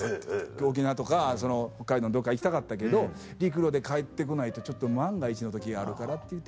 沖縄とか北海道のどっか行きたかったけど陸路で帰って来ないとちょっと万が一の時あるからっていって。